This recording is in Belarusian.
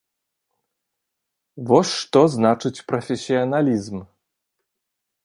Вось што значыць прафесіяналізм.